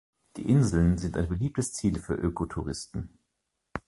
Die Inseln sind ein beliebtes Ziel für Öko-Touristen.